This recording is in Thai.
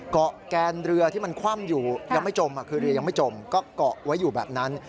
แกนเรือที่มันคว่ำอยู่ยังไม่จมคือเรือยังไม่จมก็เกาะไว้อยู่แบบนั้น